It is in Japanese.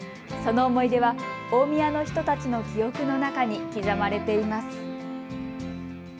その思い出は大宮の人たちの記憶の中に刻まれています。